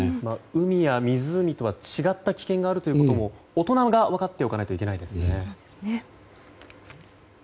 海や湖とは違った危険があるというのも大人が分かっておかないといけないですね。